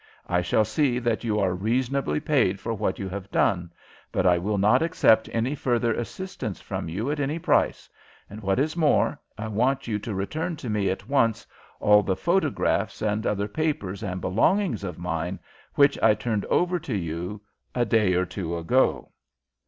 I shall see that you are reasonably paid for what you have done, but I will not accept any further assistance from you at any price, and, what is more, I want you to return to me at once all the photographs and other papers and belongings of mine which I turned over to you a day or two ago!"